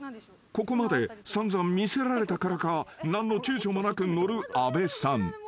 ［ここまで散々見せられたからか何のちゅうちょもなく乗る阿部さん］